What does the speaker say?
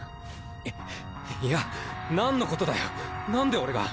いいや何のことだよ何で俺が。